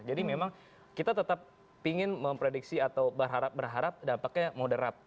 jadi memang kita tetap ingin memprediksi atau berharap berharap dampaknya moderat